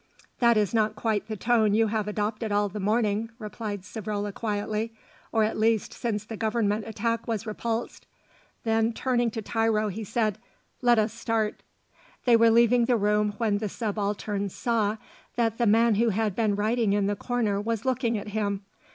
"That is not quite the tone you have adopted all the morning," replied Savrola quietly, "or at least since the Government attack was repulsed." Then turning to Tiro, he said, "Let us start." They were leaving the room when the Subaltern saw that the man who had been writing in the corner was looking at him.